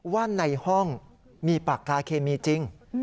ว่าในห้องมีปากกาเคมีจริง